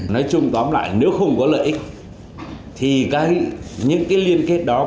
nói chung tóm lại nếu không có lợi ích thì những cái liên kết đó cũng là